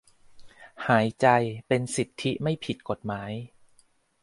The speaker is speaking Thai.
หายใจเป็นสิทธิไม่ผิดกฎหมาย